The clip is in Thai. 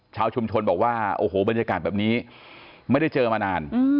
ชาวชุมชนบอกว่าโอ้โหบรรยากาศแบบนี้ไม่ได้เจอมานาน